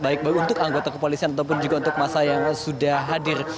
baik baik untuk anggota kepolisian ataupun juga untuk masa yang sudah hadir